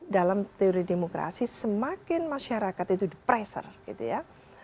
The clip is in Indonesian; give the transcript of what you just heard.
dalam teori demokrasi semakin masyarakat itu depreser gitu ya